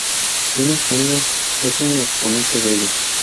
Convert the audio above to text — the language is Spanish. Yunus Emre es un exponente de ello.